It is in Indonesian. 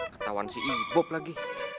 ketauan si ibob lagi